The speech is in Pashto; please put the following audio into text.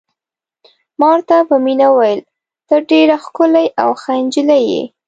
ما ورته په مینه وویل: ته ډېره ښکلې او ښه نجلۍ یې.